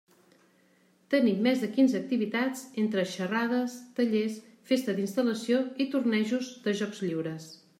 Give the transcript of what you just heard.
Tenim més de quinze activitats entre xerrades, tallers, festa d'instal·lació i tornejos de jocs lliures.